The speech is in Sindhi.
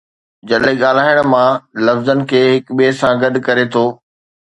جڏهن ڳالهائڻ، مان لفظن کي هڪ ٻئي سان گڏ ڪري ٿو